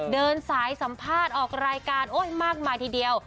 เดินสายสัมภาษณ์ออกรายการมากมายทีเดียว